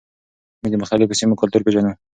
موږ د مختلفو سیمو کلتور پیژنو.